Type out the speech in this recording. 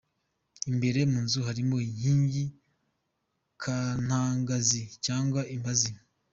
Imbere mu nzu harimo inkingi Kantagazi cyangwa Imbazi.